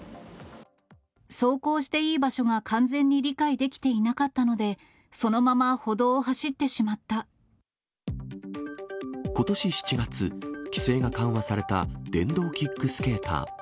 走行していい場所が完全に理解できていなかったので、そのまことし７月、規制が緩和された電動キックスケーター。